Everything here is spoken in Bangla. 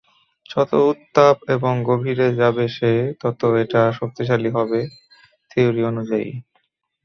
যত উত্তাপ এবং গভীরে যাবে সে, ততো এটা শক্তিশালী হবে, থিউরী অনুযায়ী!